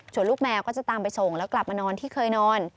ส่วนลูกแมวก็จะตามไปส่งแล้วกลับมานอนที่เคยนอน